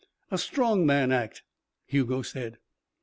"A strong man act," Hugo said.